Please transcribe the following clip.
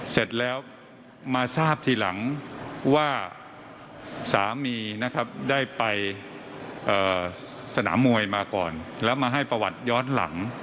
เสร็จแล้วมาทราบทีหลังว่าสามีนะครับได้ไปสนามมวยมาก่อนแล้วมาให้ประวัติย้อนหลัง